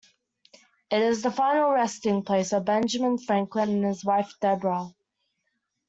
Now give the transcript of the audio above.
It is the final resting place of Benjamin Franklin and his wife, Deborah.